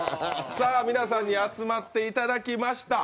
皆さんに集まっていただきました。